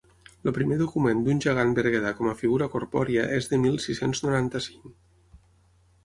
El primer document d'un gegant berguedà com a figura corpòria és de mil sis-cents noranta-cinc.